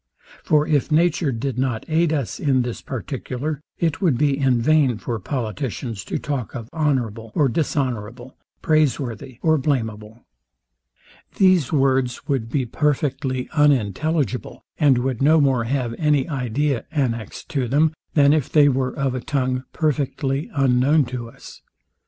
For if nature did not aid us in this particular, it would be in vain for politicians to talk of honourable or dishonourable, praiseworthy or blameable. These words would be perfectly unintelligible, and would no more have any idea annexed to them, than if they were of a tongue perfectly unknown to us.